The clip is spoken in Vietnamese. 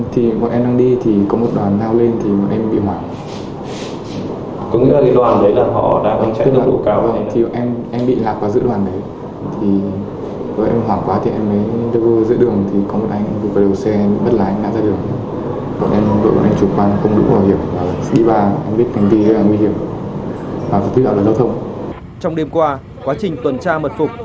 trong đêm qua quá trình tuần tra mật phục